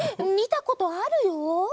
みたことあるよ。